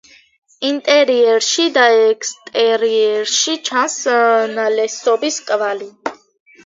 ინტერიერში და ექსტერიერში ჩანს ნალესობის კვალი.